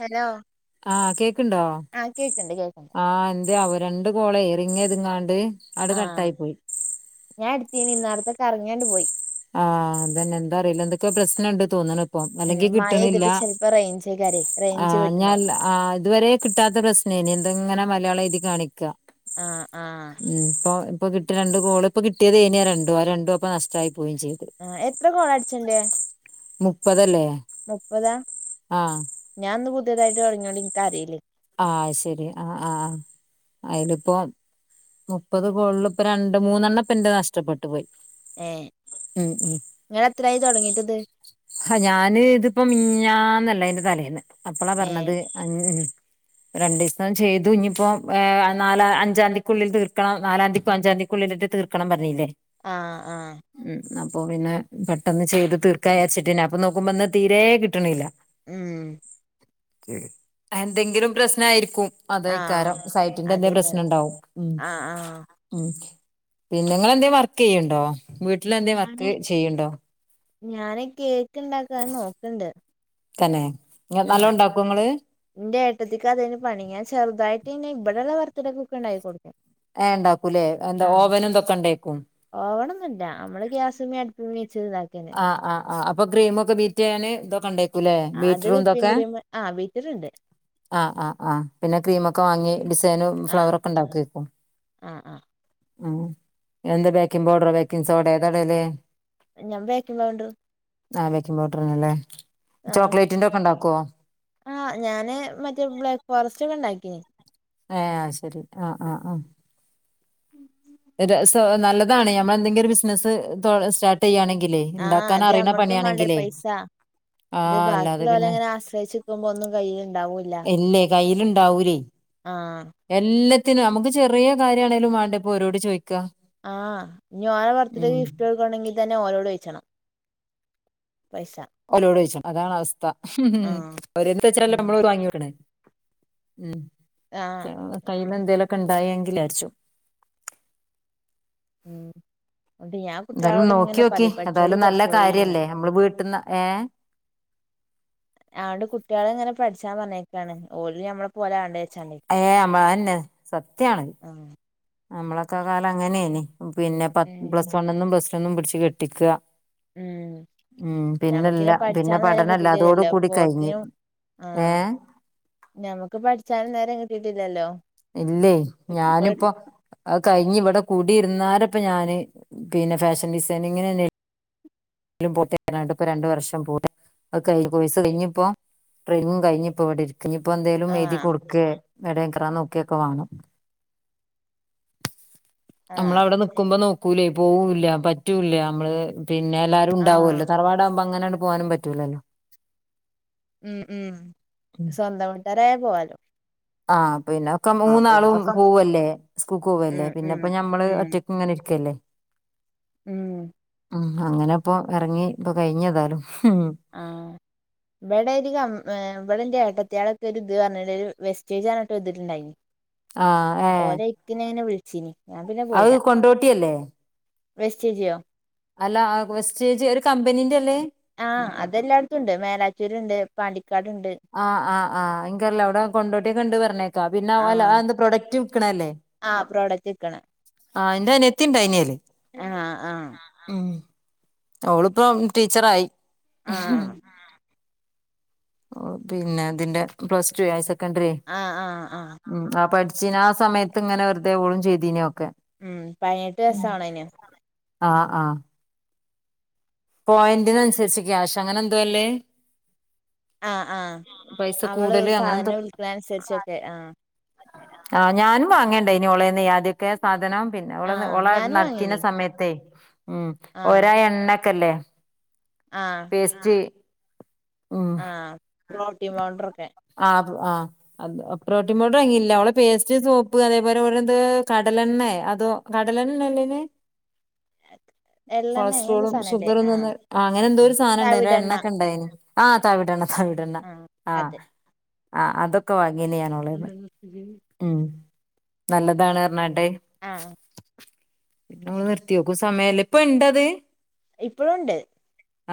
Hello ആ കേക്ക്ണ്ടോ ആ കേക്ക്ണ്ട് കേക്ക്ണ്ട് ആഹ് എന്തേ ആവോ രണ്ട് കോളെ റിങ്ങെയ്ത്ങ്ങാണ്ട് ആഹ് ഞാൻ ഇട്ത്തീനി നേർത്തെ കർങ്ങ്യാണ്ട് പോയി ആഹ് അതന്നെ എന്താ അറീല എന്തൊക്യോ പ്രശ്നണ്ട് തോന്ന്ണ്പ്പൊ അല്ലെങ്കി കിട്ട്ണില്ല റൈഞ്ചേക്കാരെ റൈഞ്ച് ആഹ് ഞാൻ അ ഇതുവരെ കിട്ടാത്ത പ്രശ്നേനി എന്തങ്ങനെ മലയാള എഴ്തി കാണിക്കാ ആഹ് ആഹ് ഉം ഇപ്പോ ഇപ്പൊ കിട്യാ രണ്ട് കോള് ഇപ്പകിട്ടിയതേനി ആ രണ്ടും ആ രണ്ടുപ്പം നഷ്ടായി പോയിം ചെയ്ത് ആഹ് എത്ര കോളട്ച്ചെണ്ട് മുപ്പതല്ലേ മുപ്പതാ ആഹ് ഞാൻ ഇന്ന് പുതെതായിട്ട് തൊടങ്ങ്യോണ്ട് ഇൻക്കറീലീ ആ ശെരി ആഹ് ആഹ് ഐല് പ്പം മുപ്പത് കോള്ള് ഇപ്പം രണ്ട് മൂന്നെണ്ണപ്പം ഇന്റെ നഷ്ടപ്പെട്ട് പോയി ഏ ഉം ഉം ഇങ്ങളെത്രായി തൊടങ്ങീട്ട്ത് ഹാ ഞാന് ഇതിപ്പോ മിഞ്ഞാന്നല്ല ഐന്റെ തലേന്ന് അപ്പളാ ഏ പർഞ്ഞത് അഞ് രണ്ടീസം ചെയ്തു ഇഞ്ഞിപ്പം നാലാ അഞ്ചാന്തിക്കുള്ളീ തീർക്കണം നാലാന്തിക്കും അഞ്ചാന്തി ക്കുള്ളിലെറ്റെ തീർക്കണം പറഞ്ഞീല്ലെ ആഹ് ആഹ് ഉം അപ്പൊ പിന്നെ പെട്ടെന്ന് ചെയ്ത് തീർക്കാചാര്ച്ചിട്ടേനി അപ്പൊ നോക്കുമ്പം ഇന്ന് തീരെ കിട്ട്ണില്ല ഉം എന്തെങ്കിലും പ്രശ്നായിരിക്കും ആ അതേക്കാരം സൈറ്റിന്റെന്തേം അതേക്കാരം പ്രശ്നണ്ടാവും ഉം ആ ആ ഉം പിന്നെ ഇങ്ങളെന്തേം വർക്കെയ്യ്ണ്ടോ വീട്ടില് എന്തേം ഞാന് വർക്ക് ചെയ്യ്ണ്ടോ ഞാന് കേക്ക്ണ്ടാക്കാൻ നോക്ക്ണ്ട് തന്നെ ആ നല്ലോണ്ടാക്കോ ഇങ്ങള് ഇന്റെ ഏട്ടത്തിക്കതേനി പണി ഞാൻ ചെറുതായിട്ട്ങ്ങനെ ഇവടള്ള ബെർത്തിടേക്കൊക്കെ ഇണ്ടായിക്കി കൊട്ക്കും ഏ ഇണ്ടാക്കൂലെ എന്താ ഓവനും ഇതൊക്കെ ഇണ്ടേക്കും ഓവണൊന്നൂല്ല നമ്മള് ഗ്യാസമേ അട്പ്പ്മേ വെച്ച് ഇതാക്കന്നെ ആഹ് ആഹ് ആഹ് അപ്പൊ ക്രീമൊക്കെ ബീറ്റെയ്യാന് ഇതൊക്കെ ഇണ്ടേക്കൂലെ അത് ബീറ്ററും വിപ്പിംഗ് ഇതൊക്കെ ക്രീം ആ ബീറ്ററ്ണ്ട് ആഹ് ആഹ് ആഹ് പിന്നെ ക്രീമൊക്കെ വാങ്ങി ഡിസൈനും ഫ്ലവറൊക്കെ ഇണ്ടാക്കേക്കും ആഹ് ആഹ് ഉം എന്ത് ബേക്കിംഗ് പൗഡറോ ബേക്കിംഗ് സോഡെ ഏതാടല് ഞാൻ ബേക്കിങ് പൗഡർ ആഹ് ബേക്കിങ് പൗഡർറാണല്ലെ ചോക്ലേറ്റിന്റെ ഒക്കെ ഉണ്ടാക്കുവോ ആഹഹ് ഞാന് മറ്റേ ബ്ലാക്ക് ഫോറസ്റ്റ് ഒക്കെ ഇണ്ടാക്കിയിന് ഏഹ് അത് ശരി ആഹ് ആഹ് ആഹ് [inaudible] ഇത് സോ നല്ലതാണ് ഞമ്മൾ എന്തെങ്കിലും ഒരു ബിസിനസ്സ് തോ സ്റ്റാർ തെയ്യാണെങ്കിലേ ആ ഉണ്ടാക്കാൻ അത് അറിയണ നമ്മടത്തും മാണ്ടേ പണിയാണെങ്കിലേ പൈസ ആ അല്ലാതെ പിന്നെ വെശക്കുമ്പോ ഒന്നും കയ്യിൽ ഉണ്ടാവോ ഇല്ലേ കയ്യിലുണ്ടാവൂല്ലെ ആ എല്ലാത്തിനും അമുക്ക് ചെറിയ കാര്യണേലും വേണ്ടെ ഇപ്പോ ഓരോട് ചോയിക്കാ ആഹ് ഇഞ്ഞോരെ ബർത്ത്ഡേ ഗിഫറ്റ് ക്കുവാണെങ്കിൽ തന്നെ ഓരോട് ചോയിച്ചണം പൈസ ഓലോട് ചോയിച്ചണം അതാണ് അവസ്ഥ ആ ഉം അവര്ന്ത് വെച്ചാലും ഉം നമ്മള് വാങ്ങി വെക്കണ് ഉം ആ കയ്മ്മേ എന്തേലുമൊക്കെ ഉണ്ടായെങ്കില് ലാരിച്ചു ഉം എന്നിട്ട് ഞാ എന്തായാലും നോക്കി നോക്കിയെ ഏതായാലും നല്ല കാര്യല്ലേ നമ്മള് വീട്ടിന്ന് ഏഹ് അതൊണ്ട് കുട്ടികളെ ഇങ്ങനെ പഠിച്ചാ പറഞ്ഞേക്കാണ് ഓലും ഞമ്മള പോലെ ആവണ്ടെ വെച്ചാണ്ട് ഏ യമ്മ അന്നെ സത്യാണ് ആഹ് നമ്മളൊക്കെ കാലം അങ്ങനെയേന് പിന്നെ പത് പ്ലസ് വണ്ണന്നും പ്ലസ്റ്റൂന്നും പിടിച്ച് കെട്ടിക്ക ഉം ഉം പിന്നില്ല ഞമ്മക്കിനി പിന്നെ പഠിച്ചാൻ നേരം പഠനംല്ലാതോട് കിട്ടിട്ടില്ലല്ലോ കൂടി കഴിഞ് പോത്തിനും ആഹ് ഏഹ് ഞമ്മക്ക് പഠിച്ചാനും നേരം കിട്ടീട്ടില്ലല്ലോ ഇല്ലേ ഞാനിപ്പോ അത് കഴിഞ് ഇവിടെ കൂടിയിരുന്നാരിപ്പ ഞാന് പിന്നെ ഫാഷൻ ഡിസൈനിങ്ങിന് അന്നെ പൊട്ടേ അല്ലാണ്ട് ഇപ്പൊ രണ്ട് വർഷം പോട്ടെ അത് കഴിഞ് കോഴ്സ് കഴിഞ്ഞ് ഇപ്പോ ട്രെയിനിങ്ങും കഴിഞ് ഇപ്പോ ഇവിടെ ഇരിക്ക്ന്ന് ഇപ്പോ എന്തേലും എഴുതി ആഹ് കൊടുക്കേ എവിടേലും കേറാൻ നോക്കക്കെ വേണം അമ്മ ആഹ് ള്അവിടെ നിക്കുമ്പോ നോക്കൂലേ പോവൂല്ല പറ്റൂല നമ്മള് പിന്നെല്ല ആഹ് ഉണ്ടാവുമല്ലോ തറവാടാകുമ്പോ അങ്ങനെയങ്ങട് പോവാനും പറ്റൂലല്ലോ ഉം ഉം സ്വന്തം വീട്ടാരായ പോവാലോ ആ പിന്നെ ഒക്കെ ആഹ് മൂന്നാളും പിന്നൊക്കെ പോവല്ലേ സ്കൂക്ക് പോവല്ലേ ഉം പിന്നെ ഉം ഇപ്പ ഞമ്മള് ഉം ഒറ്റ ഇങ്ങനെയിരിക്കല്ലേ ഉം ഉം അങ്ങനെ ഇപ്പൊ എറങ്ങി ഇപ്പൊ കഴിഞ്ഞേതായാലും ഉം ആഹ് ഇവിടെ ഒരു ക ഇവിടെ എന്റെ ഏട്ടത്തിയാളൊക്കെ ഒരു ഇത് പറഞ്ഞിട്ട് ഒരു വെസ്റ്റേജ് പറഞ്ഞിട്ട് ഒരു ഇതിട്ടുണ്ടായിന് ആഹ ഏഹ് പിന്നെ എന്നെ വിളിച്ചീന് ഞാൻ പിന്നെ അത് പോയില്ല കൊണ്ടോട്ടിയല്ലേ വെസ്റ്റ് ജിയോ അല്ല വെസ്റ്റേജ് ഒരു കമ്പനീന്റെ അല്ലേ ആഹ് അതെല്ലായിടത്തും ഉണ്ട് മേലാറ്റൂരുണ്ട് പാണ്ടിക്കാടിണ്ട് ആഹ് ആ ഹ്ആഹ് എനിക്കറിയില്ല അവിടെ കൊണ്ടോട്ടി ഒക്കണ്ട് പറഞ്ഞേക്കാ പിന്നെ അത് പോലെ അതെന്താ പ്രൊഡക്റ്റ് വിൽക്കണ അല്ലേ ആ പ്രോഡക്റ്റ് വിക്കണ അനിയത്തി ഇണ്ടായിനി അയില് ആഹ് ആഹ് ഉം ഓളിപ്പം ടീച്ചറായി ആഹ് ഓ പിന്നെ ഇതിന്റെ പ്ലസ് ടു ആയ ആഹ ആഹ ആഹ ഉം ആ പഠിച്ചീന് ആ സമയത്ത് ഇങ്ങനെ വെറുതെ ഓളും ചെയ്തീന് ഒക്കെ ഉം പതിനെട്ട് വയസ്സാവണേന് ആഹ് ആഹ് പോയിന്റിനനുസരിച്ച് ക്യാഷ് അങ്ങനെ എന്തോ അല്ലേ ആ ആഹ് പൈസ അവള് കൂടല് അങ്ങനെ സാധനം വിളിക്കണ അനുസരിച്ചൊക്കെ ആ ആ ഞാനും വാങ്ങേണ്ട ഇനി ഓളേന്ന ആദ്യക്കെ ഒക്കെ സാധനം പിന്നെള ആഹ് ഓള് ഞാനും നടത്തിരുന്ന വാങ്ങീനി സമയത്തേ ഉം ആഹ് ഒരാ എണ്ണക്കല്ലേ ആഹ് വേസ്റ്റ് ആഹ് പ്രോട്ടീൻ പൗഡർ ക്കെ ആഹ് അത് ആഹ് അത് പ്രോട്ടീൻ പൗഡർ വാങ്ങിയില്ല അവള്പേസ്റ്റ് സോപ്പ് അതേപോലെ ഓരന്ത് കടലെണ്ണ അതോ കടലണ്ണല്ലേനെ എള്ളെണ്ണ അങ്ങനൊരു കൊളസ്ട്രോളും സാധനല്ലേ ഷുഗറും ആഹ് തന്ന് അങ്ങനെ എന്തോ ഒരു സാധനംണ്ടാേയിനി തവിടെണ്ണ എണ്ണക്കെ ഉണ്ടായതിന് ആഹ് തവിടെണ്ണ തവിടെണ്ണ ആഹ് ആഹ് അതൊക്ക വാങ്ങീണ്ട് ഞാനവളെന്ന് മണ്ണെണ്ണ തിരി ഉം നല്ലതാണ് പറഞ്ഞീട്ട് ആഹ് പിന്നെ ഓൾ നിർത്തിയോക്കും സമയല്ല ഇപ്പ ഇണ്ടത് ഇപ്പോഴുംണ്ട്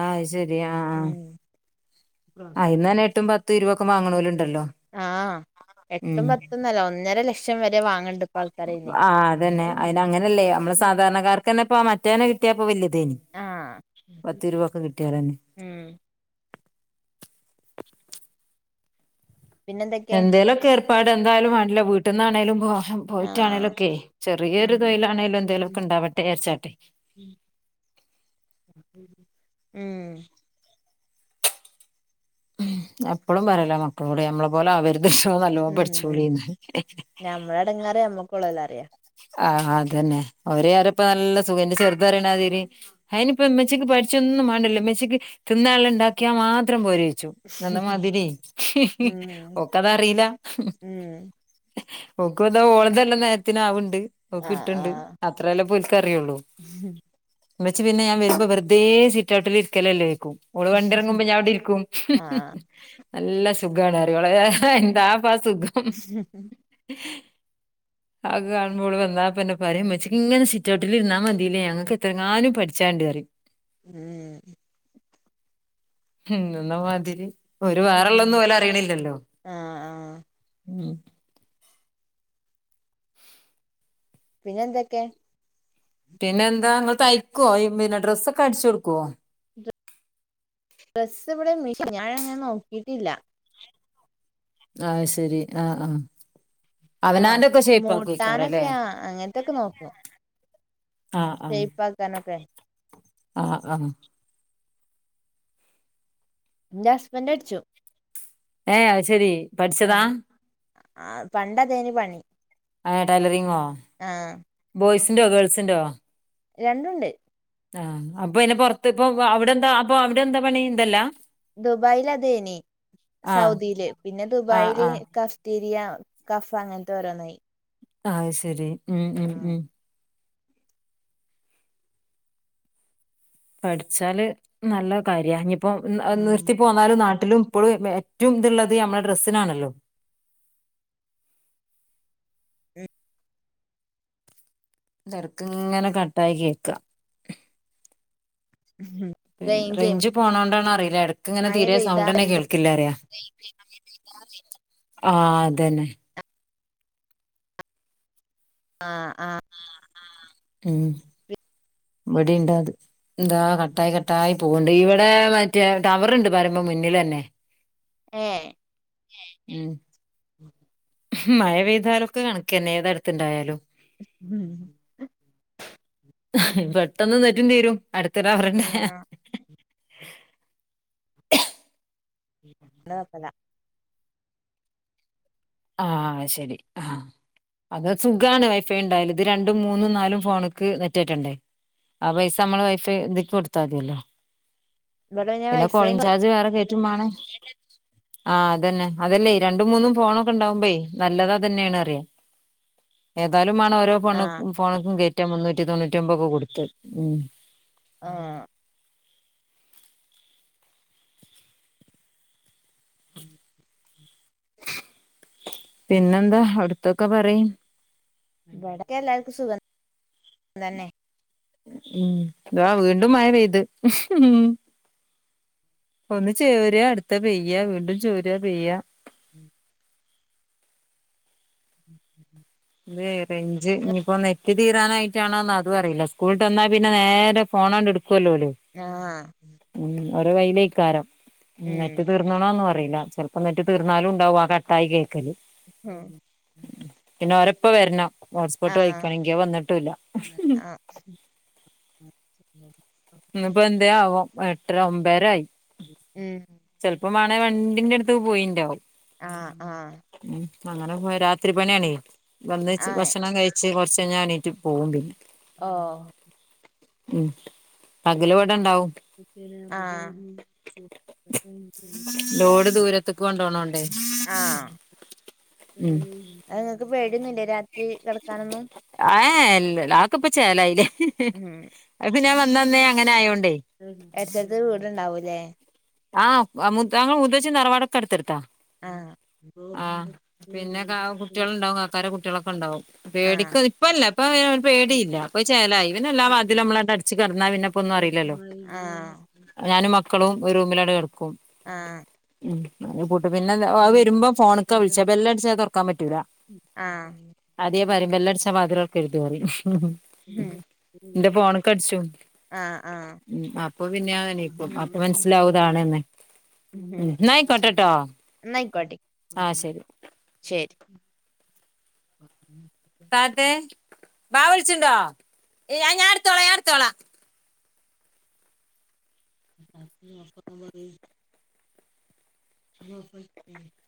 ആഹ് ശരി ആ ആഹ് പ്രാർത്ഥി ആയിന്ന എട്ടും പത്തും ഇരുപതൊക്കെ വാങ്ങണോര്ണ്ടല്ലോ ആഹ് എട്ടും പത്തൊന്നല്ല ഒന്നര ലക്ഷം വരെ വാങ്ങണ്ട് ഇപ്പ ആൾക്കാരെ അയിന് ആഹ് അതന്നെ അയ്ന് അങ്ങനല്ലേ നമ്മള് സാധാരണക്കാർക്ക് തന്നെപ്പാ മറ്റോനെ കിട്ടിയപ്പോ വലതേനി ആഹ് ഉ പിന്നെന്തൊക്കെ എന്തേലൊക്കെ ഏർപ്പാട് എന്തായാലും വാണലോ വീട്ടിൽന്നാണേലുംഹം ആഹ് പോയിട്ടാണെങ്കിലുംഒ ക്കെ ഉം ചെറിയൊരു തൊഴിലാണേലും എന്തെലുമൊ ക്കെ ഉണ്ടാവട്ടെ ഏച്ചാട്ടെ ം അപ്പളും പറെലോ മക്കളോട് ഞമ്മളെ പോലാവര്ത് നല്ലോ പഠിച്ചോളീ. ഞമ്മള എടങ്ങേറ് ഞമ്മക്കൊള്ളോല്ലറ്യ. ആഹ് അതന്നെ ഓരെ വിജാരപ്പ നല്ല സുഖ ൻ്റെ ചെറുത് രെണമാതിരി അയിനിപ്പം മെച്ചിക്ക് പഠിച്ചൊന്നും മാണ്ടില്ലോ മെച്ചക്ക് തിന്നാള്ളണ്ടാക്കിയാ മാത്രം പോരേയിച്ചും. നന്ന മാതിരി ഹ്ഹ് ഉം ഒക്കതറീല. ഉം ഓക്ക്പെന്താ ഓളതല്ലോം നേരത്തിനാവ്ണ്ട് ഓക്ക്ട്ട്ണ്ട് അത്രെല്ലെ പോൽക്കറിയുള്ളൂ. ഹ്ം മ്മച്ചി പിന്നെ ഞാ വെര്മ്പോ വെറുതെ സീറ്റൗട്ടിലി രിക്കലല്ലേ ചോയിക്കും. ഓള് വണ്ടി ഇറങ്ങുമ്പോ ഞാൻവിടെരിക്കും. ഹ് ഹ് ആഹ് നല്ല സുഖാണ്റിം ഓളെ വിജാരം ഹ് എന്താപ്പാ സുഖം. ഹ്ഹ് [unintelligible] അഗാണ് ഓള് വന്നാപീന്നെ പറീം. മ്മച്ഛീക്ക്ങനെ സിറ്റൗട്ടില് ഇുര്ന്നാമതില്ലേ ഞങ്ങക്ക് എത്രങാനം പഠിച്ചാണ്ട്റിം. ഉം ഹം എന്നുള്ള മതിരി ഒരു ഉം വേറെള്ളൊന്നും ഒലറീണില്ലലൊ. ആഹ് ആഹ് പിന്നെന്തൊക്കെ? പിന്നെന്താ ങ്ങള് തയ്ക്കോ? [unintelligible] പിന്നെ ഡ്രസ്സൊക്കടിച്ചൊടുക്കോ? ഡ്രസ്സ് വ്ടെ മിഷ് ഞനങ്ങനെ നോക്കീട്ടില്ല. അത് ശരി ആഹ് ആഹ് ആഹ് അവനാന്റെ ഒക്കെ ഷേപ്പ് ആക്കുവയ്ക്കാരല്ലേ മൂട്ടാനൊക്കെ അങ്ങനത്തൊക്കെ നോക്കും. ആ ആഹ് ഷേയ്പ്പാക്കാനൊക്കെ ആ ആഹ് ന്റെ ഹസ്ബൻറട്ച്ചും. ഏഹ് അത് ശരി പഠിച്ചതാ ആഹ് ആ പണ്ടതേനു പണി. ആ ടൈലറിങ്ങോ? ആഹ് ബോയ്സിൻ്റൊ ഗേൾസിൻ്റോ? രണ്ടുണ്ട്. ആഹ് അപ്പൊ പിന്നെ പൊറത്ത് പ്പൊ അവിടെന്താ അപ്പൊ അവിടെ എന്താ പണി തല്ലാഹ്. ദുബായിലതേനി ആഹ് സൗദിയില് പിന്നെ ആഹ് ദുബായില്. ആഹ് കഫ്തീരിയ കഫ അങ്ങനത്തോരോന്നായി. ആഹ് ശരി ംംം പഠിച്ചാല് നല്ല കാര്യ. ഇഞിപ്പോ ഉം നിർത്തി പോ ന്നാലും നാട്ടിലും പ്പോളും ഏറ്റവുംത്ള്ളത് ഞമ്മളെ ഡ്രസ്സിനാണല്ലോ. ഉം തെരക്ക്ങ്ങനെ കട്ടായി കേൾക്ക. അ്ഹ് പിന്നെ റേയിഞ്ച് പോണോണ്ടാണോ അറീല ഇടക്ക്ങ്ങനെ മഴ തീരേ പെയ്താ സൗണ്ടന്നെ കേൾ [unintelligible] ആഹ് അതന്നെ ആഹ് ആ ം ബടീം ണ്ടാത്. എന്താ കട്ടായി കട്ടായി പോക്ണ്ട് ഇവിടെ മറ്റേ ടവറ്ണ്ട് പറിമ്പോ മുന്നിലന്നെ. [inaudible] ഏഹ് അ് [inaudible] ഹ് മഴ പെയ്താലൊക്കെ കണക്കന്നെ ഏതെടുത്തണ്ടായാലും. ഹ്ം ഹ് പെട്ടന്ന് നെറ്റും തീരും അടുത്ത് ടവറ്ണ്ടായ ഹ് ആഹ് ഹ് [unintelligible] ആഹ് ശരി ആഹ് അത് സുഖാണ് വൈഫൈ ണ്ടായാല് ത് രണ്ടും മൂന്നും നാലും ഫോണ്ക്ക് നെറ്റ് കേറ്റണ്ടേ? ആ പൈസ മ്മള് വൈഫൈ തിക്ക കൊടുത്താ ൾതിയല്ലോ. ഇവിടെ പിന്നെ വൈഫൈ കോളിംഗ് ഉണ്ട് ചാർജ് വേറെ കേറ്റുമാണം ആഹ് അതന്നെ അതല്ലെ രണ്ടും മൂന്നും ഫോണൊക്കെ ഉണ്ടാവകുംപെ നല്ലതാ തന്നെയാണ് അറിയാം ഏതായാലുംമാണ് ഓരോ ഫോണ ആഹ് ഫോണക്കും കയറ്റ മുന്നൂറ്റി തൊണ്ണൂറ്റി ഒൻമ്പക്കെ കൊടുത്തത് ഉം ആഹ് ഉം പിന്നെന്താ അടുത്തൊക്കെ പറയ് വ്ടെ എല്ലാവർക്കും സുഖ തന്നെ ഉമ് താ വീണ്ടും മയ പെയ്ത് ഒന്ന് ചേര്യാ അടുത്ത പെയ്യ വീണ്ടും ചോര പെയ്യ ഉം ഇത് റേഞ്ച് ഇനിയിപ്പോന്ന് നെറ്റ് തീരാനായിട്ടാണോന്ന് അത് അറില്ല സ്കൂളിട്ട വന്നാൽ പിന്നെ നേരെ ഫോണണ്ട് എടു [unintelligible] ആഹ് ഉം ഓരേ കയ്യിലേക്കാരം നെറ്റ് ഉം തീ തീർണത് അറിയില്ല ചെലപ്പോം നെറ്റ് തീർന്നാലും ഉണ്ടാവും ആഹ് കട്ടായി കേൾക്കല് ആഹ് പിന്നെ ഓര ഉപ്പ വരണം ഹോട്ട്സ്പോട്ട് ആഹ് വലിക്കണെങ്ക ഐ വന്നിട്ടുംല്ല [unintelligible] ഇപ്പൊ എന്തേ ആവോ എട്ടര ഒമ്പരായി ഉം ചെല്പ്പം മാണെ വണ്ടിന്റെ അടുത്ത് പോയിണ്ടാവും ആഹ് ആഹ് ഉം അങ്ങനെ പോ രാത്രി പണിയാണെ വന്ന് ആഹ് ഭക്ഷണം കഴിച്ച ച് കൊറച്ച് കഴിഞ്ഞ എണീറ്റ് പോവും പിന്നെ അഹ് ഉം പകൽ ഇവ്ടെ ഉണ്ടാവും ആഹ് ലോഡ് ദൂരത്ത്ക്ക് കൊണ്ടുപോണോണ്ടെ ആഹ് അത് നിങ്ങൾക്ക് പേടി ഒന്നുല്ലെ രാത്രി കെടക്കാനൊന്നും ആഹ് ഇല്ല ഇല്ല അത്കിപ്പോ ചേലായില്ലെ ഉം അത് പിന്നെ ഞാൻ വന്നന്നേ അങ്ങനെ ആയോണ്ടേ എടുത്തടുത്ത് വീട്ണ്ടാവൂല്ലെ ആഹ് അങ്ങൾ മൂത്തച്ചിം തറവാാടൊക്കെ അടുത്തടുത്താ ആഹ് ആഹ് പിന്നെ കുട്ടികളുണ്ടാവും കാക്കാരെ കുട്ടികളൊക്കെ ഉണ്ടാവും ആഹ് പേടിക്ക ഇപ്പല്ല ഇപ്പ പേടിയില്ല ഇപ്പോ അത് ചേലായി പിന്നെ എല്ലാ വാതിലും നമ്മള് അട ച്ച് കടന്നാ പിന്നപ്പോന്നും അറിയില്ലല്ലോ? ആഹ് ഞാനും മക്കളും ഒരു റൂമിലണ്ട് കടക്കും ആഹ് ഉം പൂട്ട് പിന്നെ അത് വരുമ്പോ ഫോണ്ക്ക വിളിച്ച. ബെല്ലടിച്ചാ അത്‌ തുറക്കാൻ പറ്റൂല ആഹ് അതേ പറയും ബെല്ലടിച്ചാ വാതിൽ തുറക്കരുതെന്ന് പറയും ന്റെ ഫോണ്ക്ക് അടിച്ചും ആഹ് ആഹ് ഉം അപ്പോ പിന്നെ അതന്നായ്ക്കും അപ്പോ മനസ്സി ലാവും താണെന്ന് ന്നായിക്കോട്ടെട്ടോ എന്നായിക്കോട്ടെ ആഹ് ശരി ശരി പാത്തെ ബാ വിളിച്ച്ണ്ടോ ഇല്ല ഞാൻ എടുത്തോള ഞാൻ എടുത്തോളാ [unintelligible] [unintelligible]